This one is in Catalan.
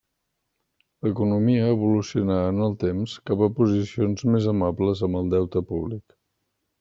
L'economia evolucionà en el temps cap a posicions més amables amb el deute públic.